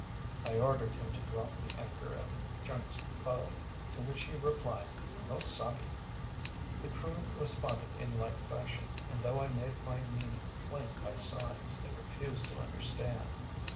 I ordered him to drop the anchor at the junk’s bow, to which he replied, “No sabbe.‚ÄĚ The crew responded in like fashion, and though I made my meaning plain by signs, they refused to understand.